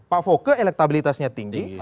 pak foke elektabilitasnya tinggi